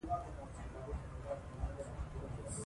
مقالې یوازې په انګلیسي ژبه منل کیږي.